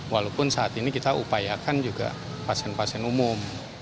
walaupun saat ini kita upayakan juga pasien pasien umum